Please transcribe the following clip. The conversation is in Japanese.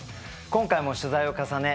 今回も取材を重ね